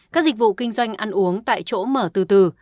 các dịch vụ kinh doanh ăn uống tại chỗ mở từ từ